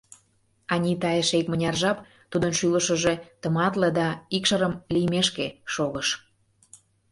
Анита эше икмыняр жап, тудын шӱлышыжӧ тыматле да икшырым лиймешке, шогыш.